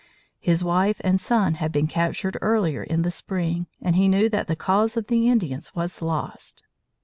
His wife and son had been captured earlier in the spring, and he knew that the cause of the Indians was lost.